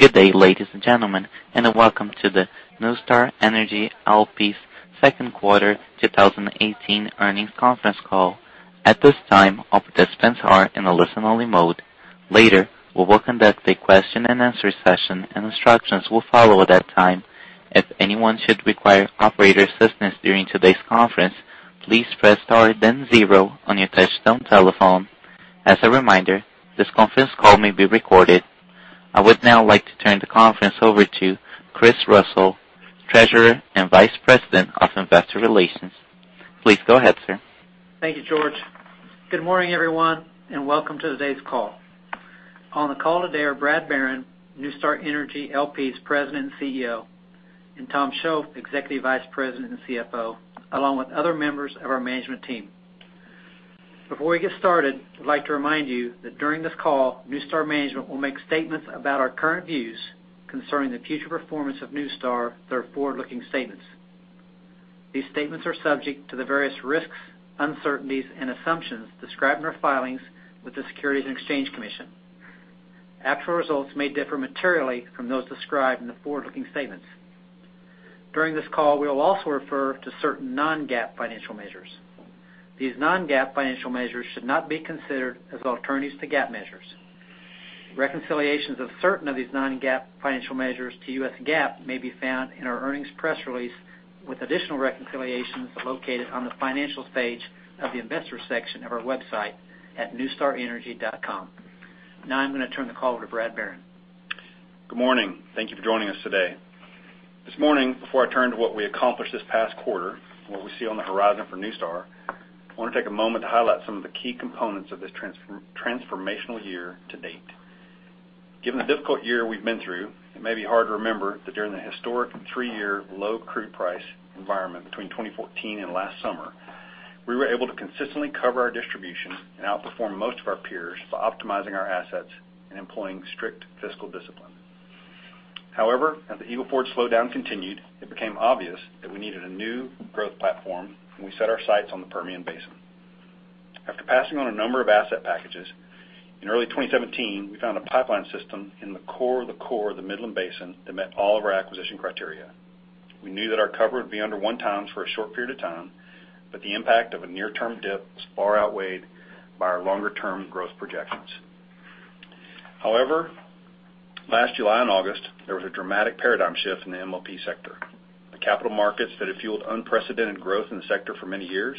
Good day, ladies and gentlemen, and welcome to the NuStar Energy L.P.'s second quarter 2018 earnings conference call. At this time, all participants are in a listen-only mode. Later, we will conduct a question and answer session, and instructions will follow at that time. If anyone should require operator assistance during today's conference, please press star then zero on your touchtone telephone. As a reminder, this conference call may be recorded. I would now like to turn the conference over to Pam Schmidt, Treasurer and Vice President of Investor Relations. Please go ahead, sir. Thank you, George. Good morning, everyone, and welcome to today's call. On the call today are Brad Barron, NuStar Energy L.P.'s President and CEO, and Tom Shoaf, Executive Vice President and CFO, along with other members of our management team. Before we get started, I'd like to remind you that during this call, NuStar management will make statements about our current views concerning the future performance of NuStar that are forward-looking statements. These statements are subject to the various risks, uncertainties and assumptions described in our filings with the Securities and Exchange Commission. Actual results may differ materially from those described in the forward-looking statements. During this call, we will also refer to certain non-GAAP financial measures. These non-GAAP financial measures should not be considered as alternatives to GAAP measures. Reconciliations of certain of these non-GAAP financial measures to U.S. GAAP may be found in our earnings press release with additional reconciliations located on the Financial page of the Investors section of our website at nustarenergy.com. I'm going to turn the call over to Brad Barron. Good morning. Thank you for joining us today. This morning, before I turn to what we accomplished this past quarter and what we see on the horizon for NuStar, I want to take a moment to highlight some of the key components of this transformational year to date. Given the difficult year we've been through, it may be hard to remember that during the historic three-year low crude price environment between 2014 and last summer, we were able to consistently cover our distribution and outperform most of our peers by optimizing our assets and employing strict fiscal discipline. However, as the Eagle Ford slowdown continued, it became obvious that we needed a new growth platform, and we set our sights on the Permian Basin. After passing on a number of asset packages, in early 2017, we found a pipeline system in the core of the core of the Midland Basin that met all of our acquisition criteria. We knew that our cover would be under one times for a short period of time, but the impact of a near-term dip was far outweighed by our longer-term growth projections. Last July and August, there was a dramatic paradigm shift in the MLP sector. The capital markets that had fueled unprecedented growth in the sector for many years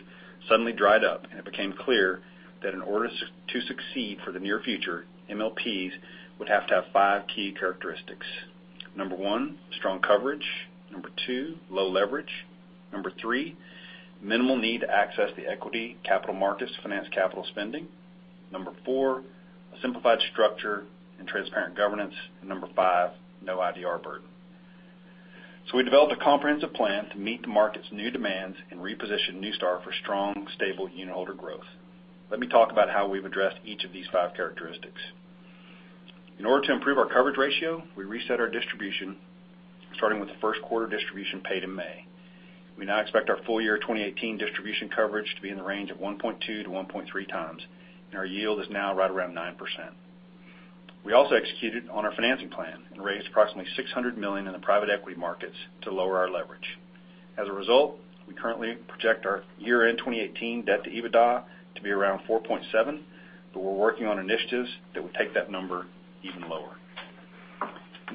suddenly dried up, it became clear that in order to succeed for the near future, MLPs would have to have 5 key characteristics. Number 1, strong coverage. Number 2, low leverage. Number 3, minimal need to access the equity capital markets to finance capital spending. Number 4, a simplified structure and transparent governance. Number 5, no IDR burden. We developed a comprehensive plan to meet the market's new demands and reposition NuStar for strong, stable unitholder growth. Let me talk about how we've addressed each of these 5 characteristics. In order to improve our coverage ratio, we reset our distribution, starting with the first quarter distribution paid in May. We now expect our full year 2018 distribution coverage to be in the range of 1.2-1.3 times, and our yield is now right around 9%. We also executed on our financing plan and raised approximately $600 million in the private equity markets to lower our leverage. As a result, we currently project our year-end 2018 debt to EBITDA to be around 4.7, but we're working on initiatives that will take that number even lower.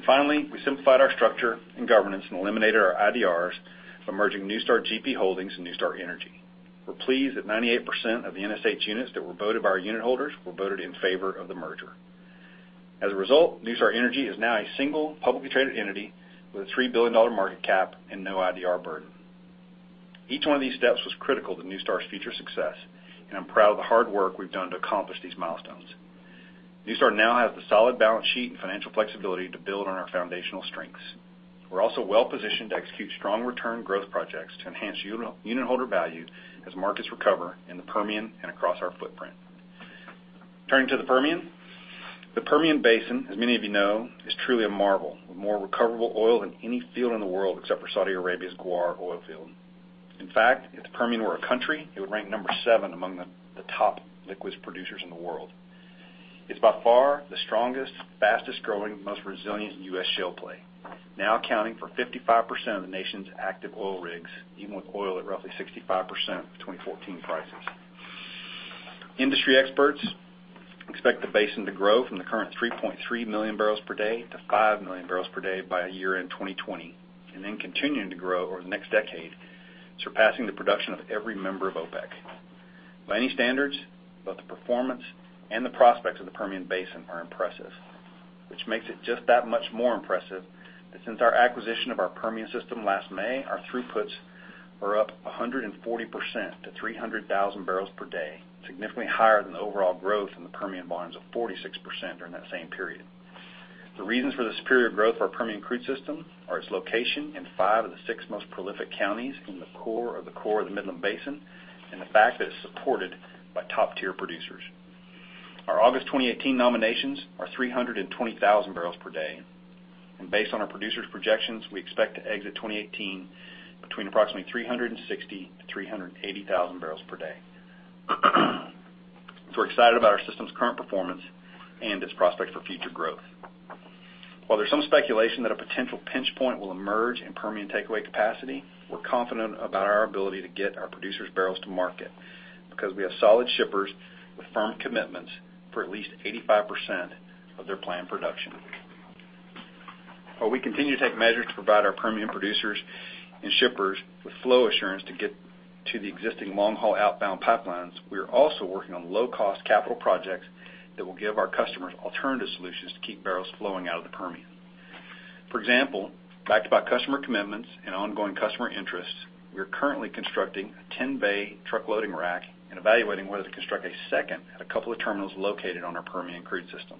Finally, we simplified our structure and governance and eliminated our IDRs by merging NuStar GP Holdings and NuStar Energy. We're pleased that 98% of the NSH units that were voted by our unitholders were voted in favor of the merger. As a result, NuStar Energy is now a single publicly traded entity with a $3 billion market cap and no IDR burden. Each one of these steps was critical to NuStar's future success, and I'm proud of the hard work we've done to accomplish these milestones. NuStar now has the solid balance sheet and financial flexibility to build on our foundational strengths. We're also well positioned to execute strong return growth projects to enhance unitholder value as markets recover in the Permian and across our footprint. Turning to the Permian. The Permian Basin, as many of you know, is truly a marvel, with more recoverable oil than any field in the world except for Saudi Arabia's Ghawar oil field. In fact, if the Permian were a country, it would rank number 7 among the top liquids producers in the world. It's by far the strongest, fastest-growing, most resilient U.S. shale play, now accounting for 55% of the nation's active oil rigs, even with oil at roughly 65% of 2014 prices. Industry experts expect the basin to grow from the current 3.3 million barrels per day to five million barrels per day by year-end 2020, continuing to grow over the next decade, surpassing the production of every member of OPEC. By any standards, both the performance and the prospects of the Permian Basin are impressive, which makes it just that much more impressive that since our acquisition of our Permian system last May, our throughputs are up 140% to 300,000 barrels per day, significantly higher than the overall growth in the Permian volumes of 46% during that same period. The reasons for the superior growth of our Permian Crude System are its location in five of the six most prolific counties in the core of the core of the Midland Basin and the fact that it's supported by top-tier producers. Our August 2018 nominations are 320,000 barrels per day. Based on our producers' projections, we expect to exit 2018 between approximately 360,000-380,000 barrels per day. We're excited about our system's current performance and its prospects for future growth. While there's some speculation that a potential pinch point will emerge in Permian takeaway capacity, we're confident about our ability to get our producers' barrels to market, because we have solid shippers with firm commitments for at least 85% of their planned production. While we continue to take measures to provide our Permian producers and shippers with flow assurance to get to the existing long-haul outbound pipelines, we are also working on low-cost capital projects that will give our customers alternative solutions to keep barrels flowing out of the Permian. For example, backed by customer commitments and ongoing customer interests, we are currently constructing a 10-bay truck loading rack and evaluating whether to construct a second at a couple of terminals located on our Permian Crude System.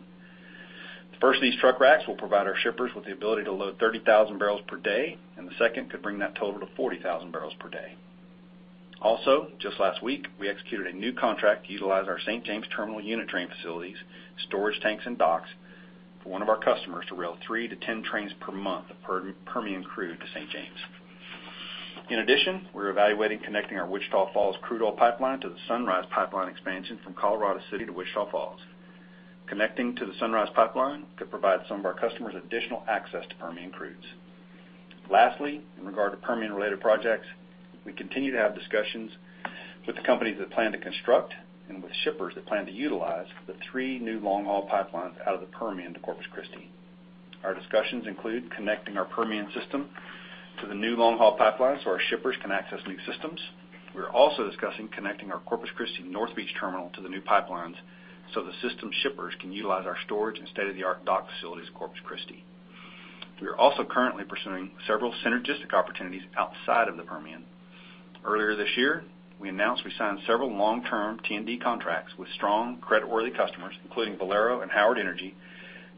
The first of these truck racks will provide our shippers with the ability to load 30,000 barrels per day, and the second could bring that total to 40,000 barrels per day. Also, just last week, we executed a new contract to utilize our St. James terminal unit train facilities, storage tanks, and docks for one of our customers to rail three to 10 trains per month of Permian crude to St. James. In addition, we're evaluating connecting our Wichita Falls crude oil pipeline to the Sunrise Pipeline expansion from Colorado City to Wichita Falls. Connecting to the Sunrise Pipeline could provide some of our customers additional access to Permian crudes. In regard to Permian-related projects, we continue to have discussions with the companies that plan to construct and with shippers that plan to utilize the three new long-haul pipelines out of the Permian to Corpus Christi. Our discussions include connecting our Permian system to the new long-haul pipelines so our shippers can access new systems. We are also discussing connecting our Corpus Christi North Beach terminal to the new pipelines so the system shippers can utilize our storage and state-of-the-art dock facilities in Corpus Christi. We are also currently pursuing several synergistic opportunities outside of the Permian. Earlier this year, we announced we signed several long-term T&D contracts with strong creditworthy customers, including Valero and Howard Energy,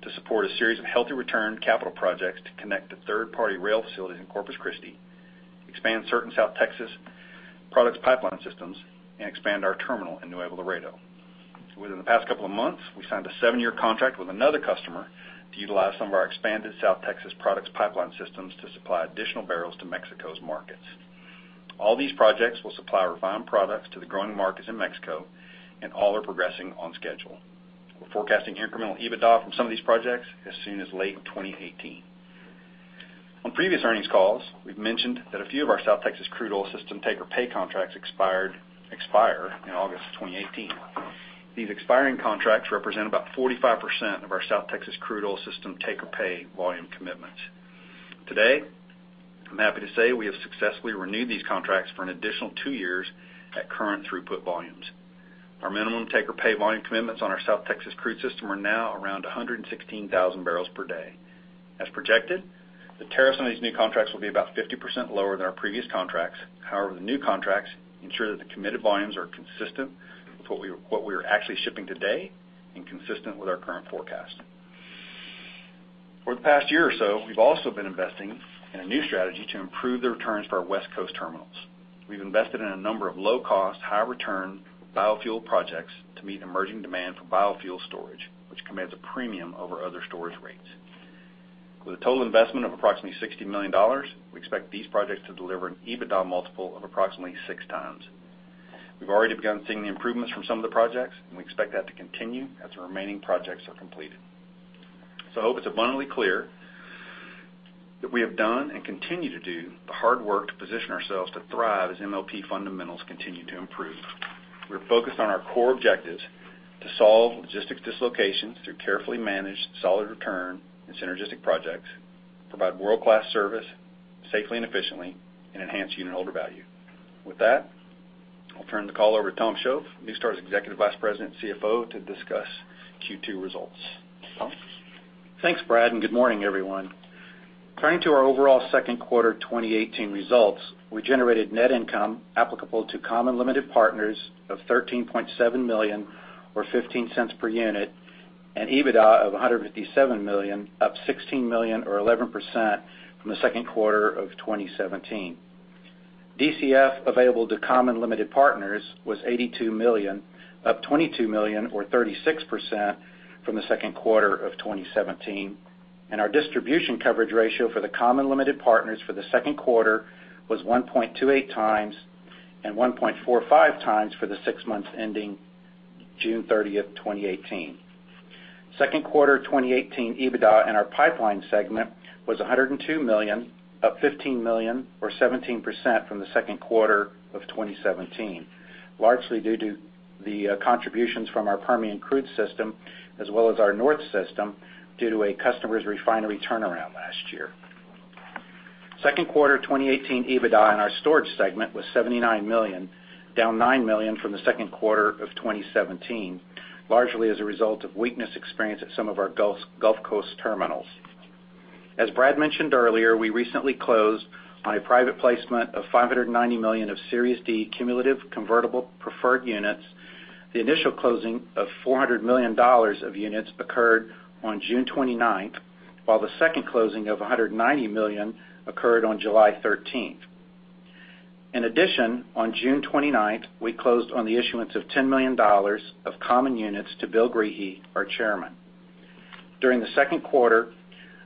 to support a series of healthy return capital projects to connect to third-party rail facilities in Corpus Christi, expand certain South Texas products pipeline systems, and expand our terminal in Nuevo Laredo. Within the past couple of months, we signed a seven-year contract with another customer to utilize some of our expanded South Texas products pipeline systems to supply additional barrels to Mexico's markets. All these projects will supply refined products to the growing markets in Mexico, and all are progressing on schedule. We're forecasting incremental EBITDA from some of these projects as soon as late 2018. On previous earnings calls, we've mentioned that a few of our South Texas Crude Oil System take-or-pay contracts expire in August of 2018. These expiring contracts represent about 45% of our South Texas Crude Oil System take-or-pay volume commitments. Today, I'm happy to say we have successfully renewed these contracts for an additional two years at current throughput volumes. Our minimum take-or-pay volume commitments on our South Texas Crude System are now around 116,000 barrels per day. As projected, the tariffs on these new contracts will be about 50% lower than our previous contracts. However, the new contracts ensure that the committed volumes are consistent with what we are actually shipping today and consistent with our current forecast. For the past year or so, we've also been investing in a new strategy to improve the returns for our West Coast terminals. We've invested in a number of low-cost, high-return biofuel projects to meet emerging demand for biofuel storage, which commands a premium over other storage rates. With a total investment of approximately $60 million, we expect these projects to deliver an EBITDA multiple of approximately six times. We've already begun seeing the improvements from some of the projects, and we expect that to continue as the remaining projects are completed. I hope it's abundantly clear that we have done and continue to do the hard work to position ourselves to thrive as MLP fundamentals continue to improve. We're focused on our core objectives to solve logistics dislocations through carefully managed solid return and synergistic projects, provide world-class service safely and efficiently, and enhance unitholder value. With that, I'll turn the call over to Tom Shoaf, NuStar's Executive Vice President and CFO, to discuss Q2 results. Tom? Thanks, Brad, and good morning, everyone. Turning to our overall second quarter 2018 results, we generated net income applicable to common limited partners of $13.7 million or $0.15 per unit, and EBITDA of $157 million, up $16 million or 11% from the second quarter of 2017. DCF available to common limited partners was $82 million, up $22 million or 36% from the second quarter of 2017. Our distribution coverage ratio for the common limited partners for the second quarter was 1.28 times, and 1.45 times for the six months ending June 30th, 2018. Second quarter 2018 EBITDA in our pipeline segment was $102 million, up $15 million or 17% from the second quarter of 2017, largely due to the contributions from our Permian Crude System, as well as our North System, due to a customer's refinery turnaround last year. Second quarter 2018 EBITDA in our storage segment was $79 million, down $9 million from the second quarter of 2017, largely as a result of weakness experienced at some of our Gulf Coast terminals. As Brad mentioned earlier, we recently closed on a private placement of $590 million of Series D cumulative convertible preferred units. The initial closing of $400 million of units occurred on June 29th, while the second closing of $190 million occurred on July 13th. In addition, on June 29th, we closed on the issuance of $10 million of common units to Bill Greehey, our Chairman. During the second quarter,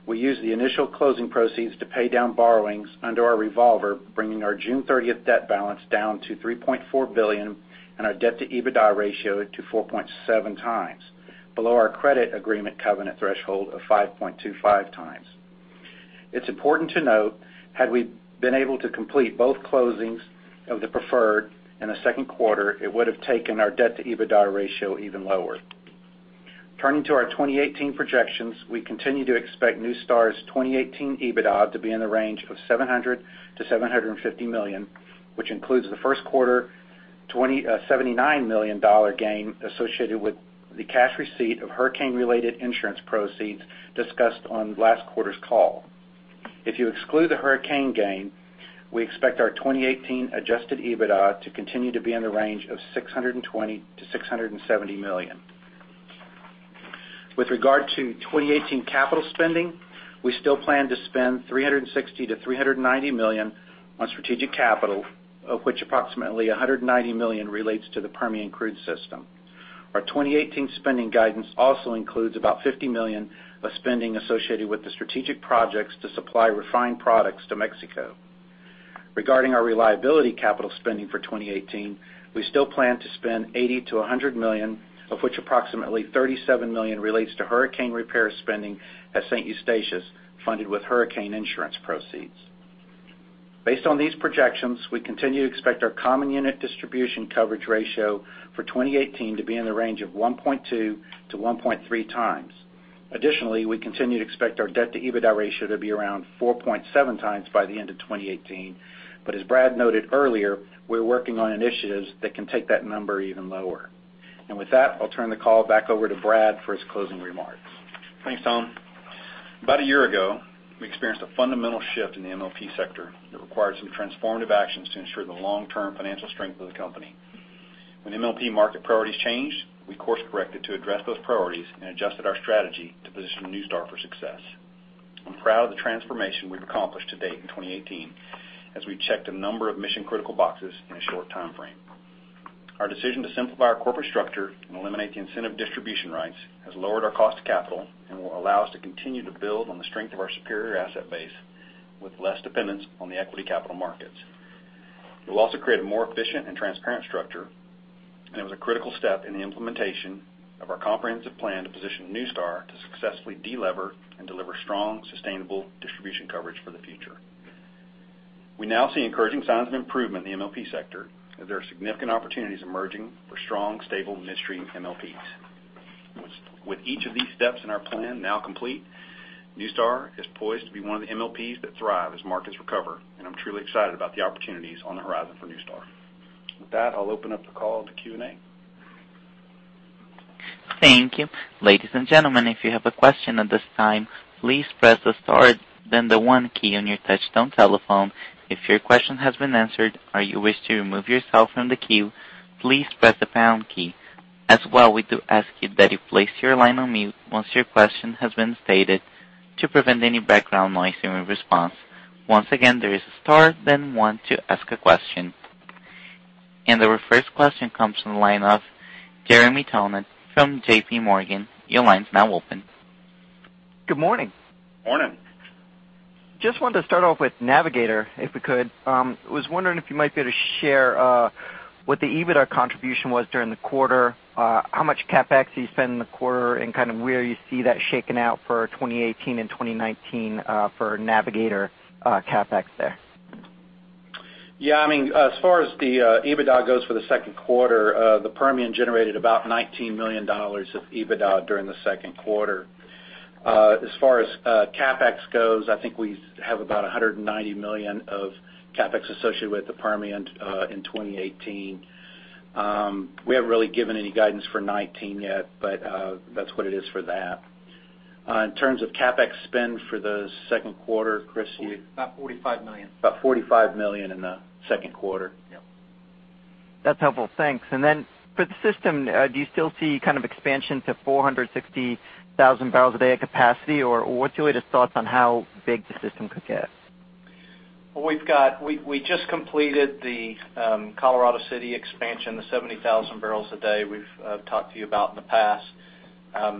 we used the initial closing proceeds to pay down borrowings under our revolver, bringing our June 30th debt balance down to $3.4 billion and our debt to EBITDA ratio to 4.7 times, below our credit agreement covenant threshold of 5.25 times. It's important to note, had we been able to complete both closings of the preferred in the second quarter, it would have taken our debt to EBITDA ratio even lower. Turning to our 2018 projections, we continue to expect NuStar's 2018 EBITDA to be in the range of $700 million-$750 million, which includes the first quarter $79 million gain associated with the cash receipt of hurricane-related insurance proceeds discussed on last quarter's call. If you exclude the hurricane gain, we expect our 2018 adjusted EBITDA to continue to be in the range of $620 million-$670 million. With regard to 2018 capital spending, we still plan to spend $360 million-$390 million on strategic capital, of which approximately $190 million relates to the Permian Crude System. Our 2018 spending guidance also includes about $50 million of spending associated with the strategic projects to supply refined products to Mexico. Regarding our reliability capital spending for 2018, we still plan to spend $80 million-$100 million, of which approximately $37 million relates to hurricane repair spending at St. Eustatius, funded with hurricane insurance proceeds. Based on these projections, we continue to expect our common unit distribution coverage ratio for 2018 to be in the range of 1.2-1.3 times. Additionally, we continue to expect our debt-to-EBITDA ratio to be around 4.7 times by the end of 2018. As Brad noted earlier, we're working on initiatives that can take that number even lower. With that, I'll turn the call back over to Brad for his closing remarks. Thanks, Tom. About a year ago, we experienced a fundamental shift in the MLP sector that required some transformative actions to ensure the long-term financial strength of the company. When MLP market priorities changed, we course-corrected to address those priorities and adjusted our strategy to position NuStar for success. I'm proud of the transformation we've accomplished to date in 2018, as we checked a number of mission-critical boxes in a short timeframe. Our decision to simplify our corporate structure and eliminate the incentive distribution rights has lowered our cost of capital and will allow us to continue to build on the strength of our superior asset base with less dependence on the equity capital markets. It will also create a more efficient and transparent structure, and it was a critical step in the implementation of our comprehensive plan to position NuStar to successfully de-lever and deliver strong, sustainable distribution coverage for the future. We now see encouraging signs of improvement in the MLP sector, as there are significant opportunities emerging for strong, stable midstream MLPs. With each of these steps in our plan now complete, NuStar is poised to be one of the MLPs that thrive as markets recover, and I'm truly excited about the opportunities on the horizon for NuStar. With that, I'll open up the call to Q&A. Thank you. Ladies and gentlemen, if you have a question at this time, please press the star, then the one key on your touch-tone telephone. If your question has been answered or you wish to remove yourself from the queue, please press the pound key. As well, we do ask you that you place your line on mute once your question has been stated to prevent any background noise during response. Once again, there is star, then one to ask a question. Our first question comes from the line of Jeremy Tonet from J.P. Morgan. Your line's now open. Good morning. Morning. Just wanted to start off with Navigator, if we could. I was wondering if you might be able to share what the EBITDA contribution was during the quarter, how much CapEx you spent in the quarter, and where you see that shaking out for 2018 and 2019 for Navigator CapEx there? Yeah. As far as the EBITDA goes for the second quarter, the Permian generated about $19 million of EBITDA during the second quarter. As far as CapEx goes, I think we have about $190 million of CapEx associated with the Permian in 2018. We haven't really given any guidance for 2019 yet, but that's what it is for that. In terms of CapEx spend for the second quarter, Pam? About $45 million. About $45 million in the second quarter. Yep. That's helpful. Thanks. For the system, do you still see expansion to 460,000 barrels a day of capacity, or what's your latest thoughts on how big the system could get? We just completed the Colorado City expansion, the 70,000 barrels a day we've talked to you about in the past.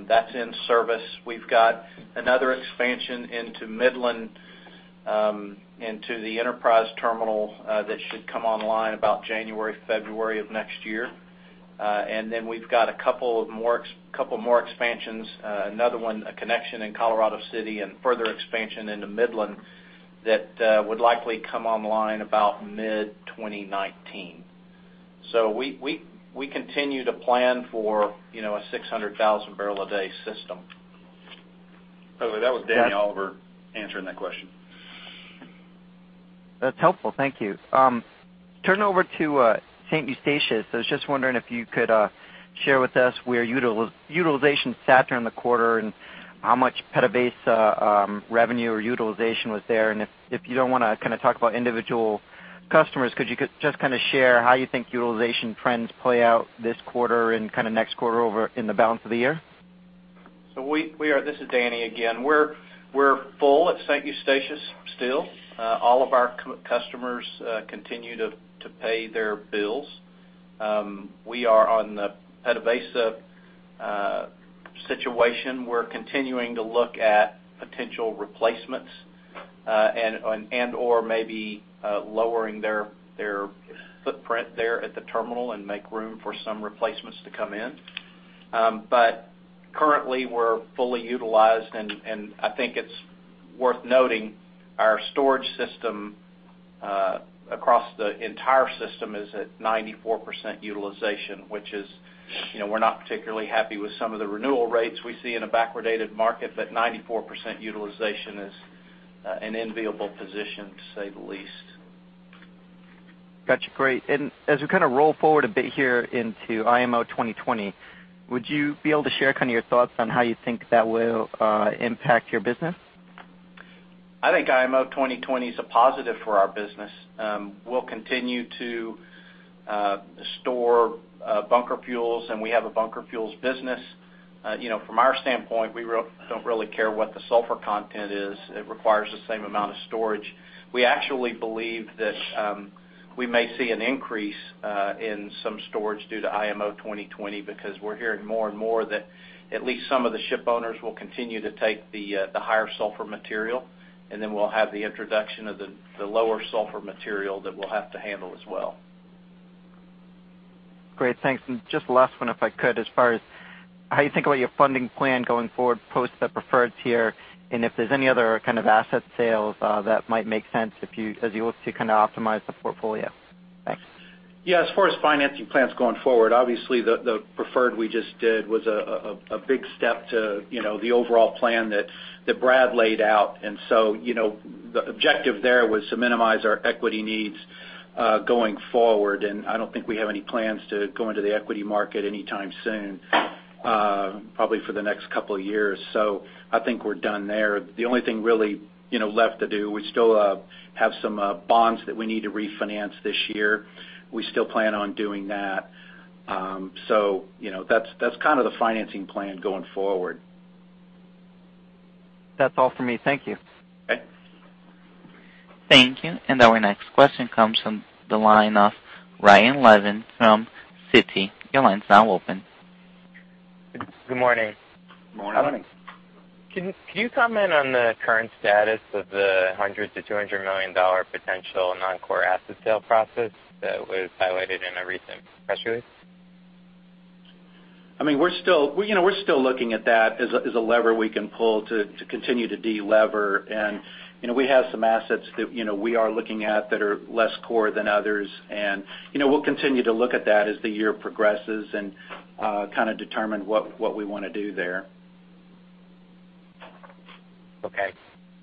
That's in service. We've got another expansion into Midland, into the Enterprise terminal, that should come online about January or February of next year. We've got a couple more expansions. Another one, a connection in Colorado City and further expansion into Midland that would likely come online about mid-2019. We continue to plan for a 600,000-barrel-a-day system. By the way, that was Danny Oliver answering that question. That's helpful. Thank you. Turning over to St. Eustatius. I was just wondering if you could share with us where utilization sat during the quarter and how much Permian Basin revenue or utilization was there. If you don't want to talk about individual customers, could you just share how you think utilization trends play out this quarter and next quarter over in the balance of the year? This is Danny again. We're full at St. Eustatius still. All of our customers continue to pay their bills. We are on the PDVSA situation. We're continuing to look at potential replacements, and/or maybe lowering their footprint there at the terminal and make room for some replacements to come in. Currently, we're fully utilized, and I think it's worth noting our storage system across the entire system is at 94% utilization. We're not particularly happy with some of the renewal rates we see in a backwardated market, but 94% utilization is an enviable position, to say the least. Got you. Great. As we kind of roll forward a bit here into IMO 2020, would you be able to share kind of your thoughts on how you think that will impact your business? I think IMO 2020 is a positive for our business. We'll continue to store bunker fuels, and we have a bunker fuels business. From our standpoint, we don't really care what the sulfur content is. It requires the same amount of storage. We actually believe that we may see an increase in some storage due to IMO 2020 because we're hearing more and more that at least some of the ship owners will continue to take the higher sulfur material, and then we'll have the introduction of the lower sulfur material that we'll have to handle as well. Great. Thanks. Just last one, if I could, as far as how you think about your funding plan going forward post the preferreds here, and if there's any other kind of asset sales that might make sense as you look to kind of optimize the portfolio. Thanks. Yeah. As far as financing plans going forward, obviously the preferred we just did was a big step to the overall plan that Brad laid out. The objective there was to minimize our equity needs going forward, and I don't think we have any plans to go into the equity market anytime soon, probably for the next couple of years. I think we're done there. The only thing really left to do, we still have some bonds that we need to refinance this year. We still plan on doing that. That's kind of the financing plan going forward. That's all for me. Thank you. Okay. Thank you. Our next question comes from the line of Ryan Levine from Citi. Your line's now open. Good morning. Good morning. Can you comment on the current status of the $100 million to $200 million potential non-core asset sale process that was highlighted in a recent press release? We're still looking at that as a lever we can pull to continue to delever. We have some assets that we are looking at that are less core than others, and we'll continue to look at that as the year progresses and kind of determine what we want to do there. Okay.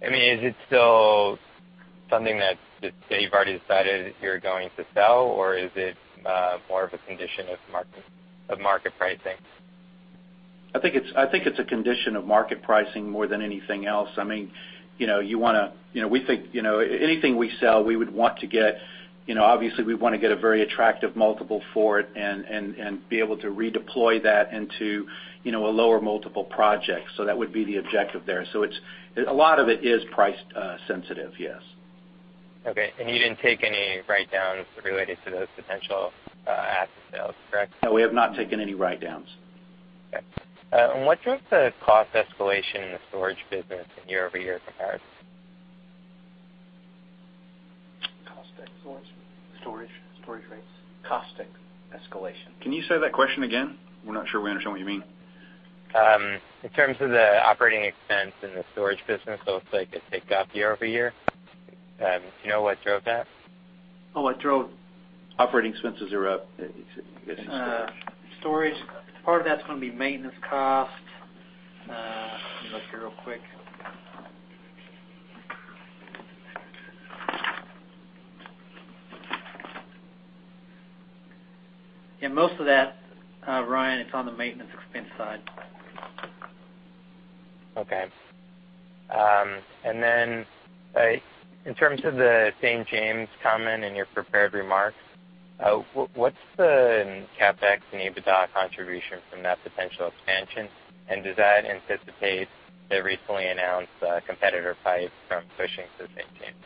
Is it still something that you've already decided you're going to sell, or is it more of a condition of market pricing? I think it's a condition of market pricing more than anything else. Anything we sell, obviously we want to get a very attractive multiple for it and be able to redeploy that into a lower multiple project. That would be the objective there. A lot of it is price sensitive, yes. Okay. You didn't take any write-downs related to those potential asset sales, correct? No, we have not taken any write-downs. Okay. What drove the cost escalation in the storage business in year-over-year compared? Cost storage? Storage. Storage rates. Cost escalation. Can you say that question again? We are not sure we understand what you mean. In terms of the operating expense in the storage business, it looks like it ticked up year-over-year. Do you know what drove that? What drove Operating expenses are up. Storage. Part of that's going to be maintenance cost. Let me look here real quick. Yeah, most of that, Ryan, it's on the maintenance expense side. Okay. In terms of the St. James comment in your prepared remarks, what's the CapEx and EBITDA contribution from that potential expansion, and does that anticipate the recently announced competitor pipe from Cushing to St. James?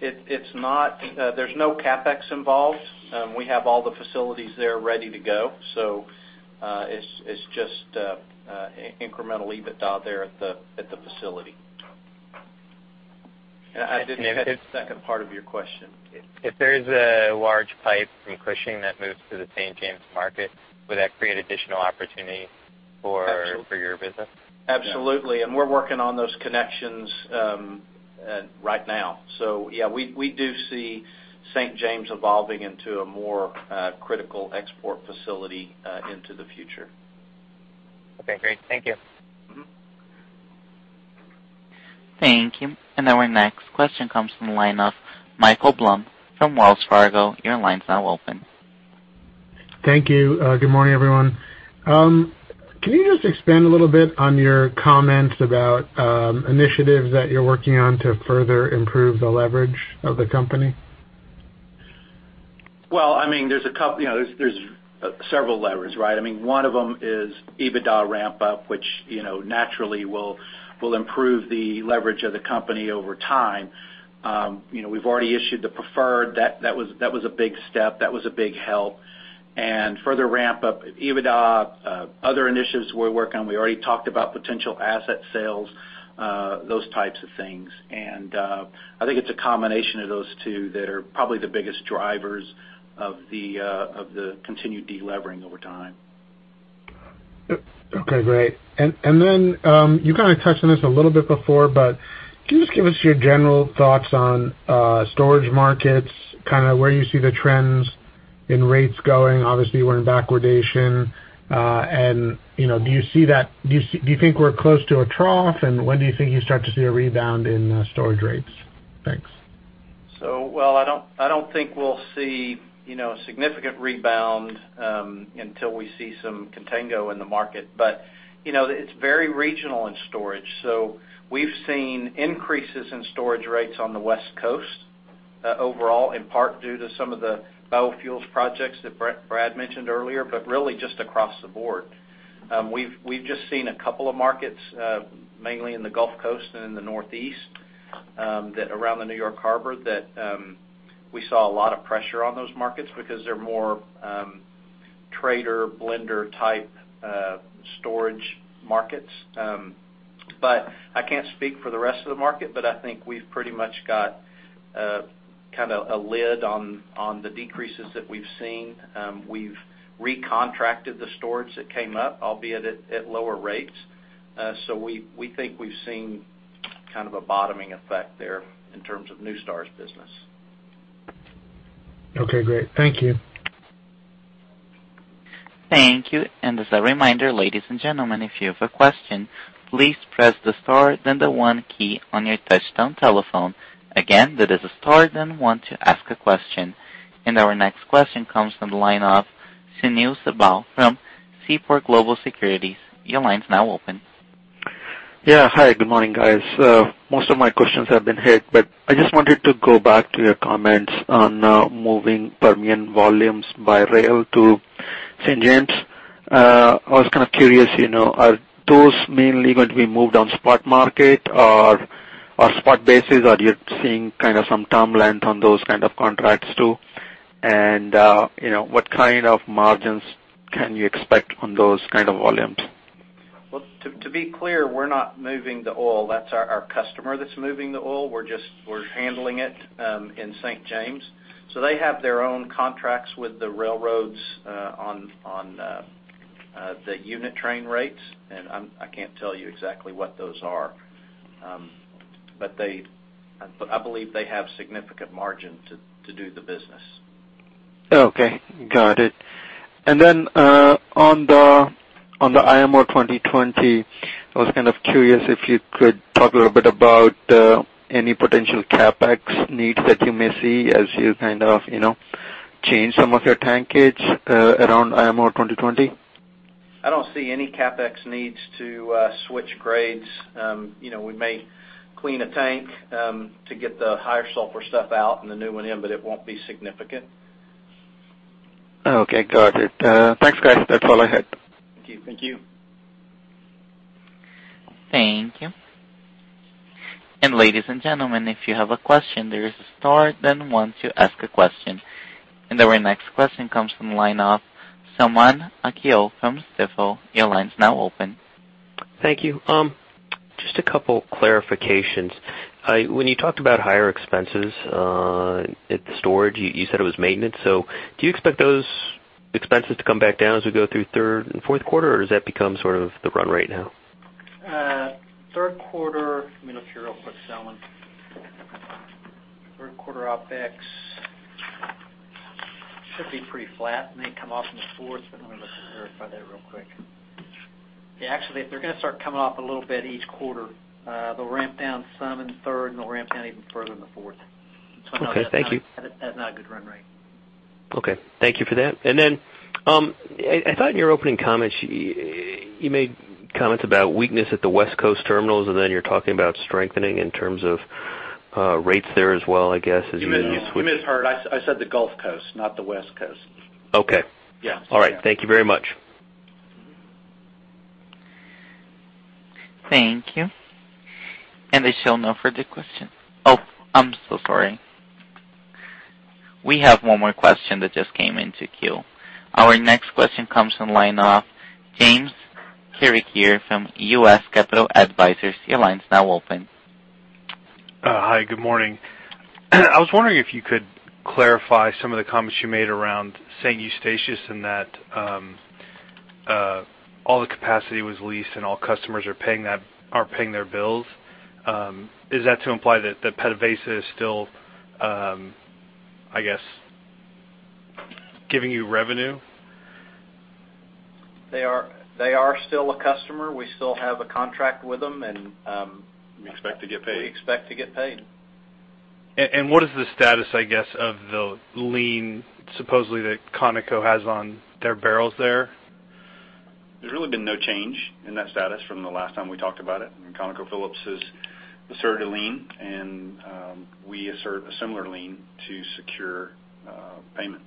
There's no CapEx involved. We have all the facilities there ready to go. It's just incremental EBITDA there at the facility. I didn't get the second part of your question. If there is a large pipe from Cushing that moves to the St. James market, would that create additional opportunity for your business? Absolutely. We're working on those connections right now. Yeah, we do see St. James evolving into a more critical export facility into the future. Okay, great. Thank you. Thank you. Our next question comes from the line of Michael Blum from Wells Fargo. Your line's now open. Thank you. Good morning, everyone. Can you just expand a little bit on your comment about initiatives that you're working on to further improve the leverage of the company? Well, there's several levers, right? One of them is EBITDA ramp-up, which naturally will improve the leverage of the company over time. We've already issued the preferred. That was a big step. That was a big help. Further ramp-up of EBITDA, other initiatives we're working on, we already talked about potential asset sales, those types of things. I think it's a combination of those two that are probably the biggest drivers of the continued de-levering over time. Okay, great. Then you kind of touched on this a little bit before, can you just give us your general thoughts on storage markets, where you see the trends in rates going? Obviously, we're in backwardation. Do you think we're close to a trough, and when do you think you start to see a rebound in storage rates? Thanks. I don't think we'll see a significant rebound until we see some contango in the market. It's very regional in storage. We've seen increases in storage rates on the West Coast overall, in part due to some of the biofuels projects that Brad mentioned earlier, but really just across the board. We've just seen a couple of markets, mainly in the Gulf Coast and in the Northeast, around the New York Harbor, that we saw a lot of pressure on those markets because they're more trader, blender-type storage markets. I can't speak for the rest of the market, but I think we've pretty much got a lid on the decreases that we've seen. We've recontracted the storage that came up, albeit at lower rates. We think we've seen kind of a bottoming effect there in terms of NuStar's business. Okay, great. Thank you. Thank you. As a reminder, ladies and gentlemen, if you have a question, please press the star then the one key on your touch-tone telephone. Again, that is star then one to ask a question. Our next question comes from the line of Sunil Sibal from Seaport Global Securities. Your line's now open. Hi, good morning, guys. Most of my questions have been hit, I just wanted to go back to your comments on moving Permian volumes by rail to St. James. I was kind of curious, are those mainly going to be moved on spot market or spot basis, or you're seeing some term length on those kind of contracts, too? What kind of margins can you expect on those kind of volumes? To be clear, we're not moving the oil. That's our customer that's moving the oil. We're handling it in St. James. They have their own contracts with the railroads on the unit train rates, and I can't tell you exactly what those are. I believe they have significant margin to do the business. Okay, got it. On the IMO 2020, I was kind of curious if you could talk a little bit about any potential CapEx needs that you may see as you change some of your tankage around IMO 2020. I don't see any CapEx needs to switch grades. We may clean a tank to get the higher sulfur stuff out and the new one in, but it won't be significant. Okay, got it. Thanks, guys. That's all I had. Thank you. Thank you. Ladies and gentlemen, if you have a question, there is a star then one to ask a question. Our next question comes from the line of Selman Akyol from Stifel. Your line's now open. Thank you. Just a couple clarifications. When you talked about higher expenses at the storage, you said it was maintenance. Do you expect those expenses to come back down as we go through third and fourth quarter, or has that become sort of the run rate now? Let me look here real quick, Selman. Third quarter OPEX should be pretty flat. It may come off in the fourth. Let me look and verify that real quick. Actually, they're going to start coming off a little bit each quarter. They'll ramp down some in the third, and they'll ramp down even further in the fourth. Okay, thank you. That's not a good run rate. Okay. Thank you for that. I thought in your opening comments, you made comments about weakness at the West Coast terminals, and then you're talking about strengthening in terms of rates there as well, I guess. You misheard. I said the Gulf Coast, not the West Coast. Okay. Yeah. All right. Thank you very much. Thank you. I show no further questions. I'm so sorry. We have one more question that just came into queue. Our next question comes from the line of James Carreker from U.S. Capital Advisors. Your line's now open. Hi, good morning. I was wondering if you could clarify some of the comments you made around St. Eustatius and that all the capacity was leased and all customers are paying their bills. Is that to imply that PDVSA is still, I guess, giving you revenue? They are still a customer. We still have a contract with them. We expect to get paid. We expect to get paid. What is the status, I guess, of the lien supposedly that Conoco has on their barrels there? There's really been no change in that status from the last time we talked about it. ConocoPhillips has asserted a lien, we assert a similar lien to secure payment.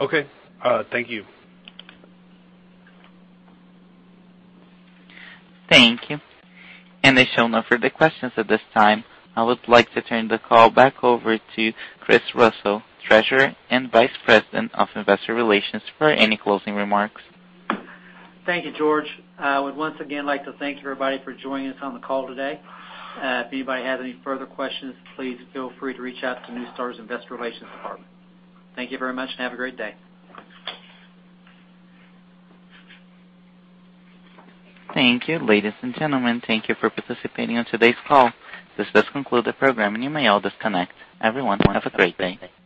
Okay. Thank you. Thank you. I show no further questions at this time. I would like to turn the call back over to Pam Schmidt, Treasurer and Vice President of Investor Relations, for any closing remarks. Thank you, George. I would once again like to thank everybody for joining us on the call today. If anybody has any further questions, please feel free to reach out to NuStar's Investor Relations department. Thank you very much, and have a great day. Thank you. Ladies and gentlemen, thank you for participating on today's call. This does conclude the program, and you may all disconnect. Everyone, have a great day.